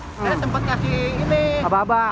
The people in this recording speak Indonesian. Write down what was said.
saya sempat kasih ini abah abah